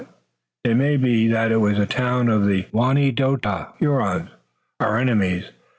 It may be that it was a town of the Wanedote (Hurons), our enemies.